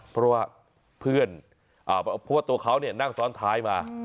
เพราะว่าเพื่อนเพราะว่าตัวเขานั่งซ้อนท้ายมา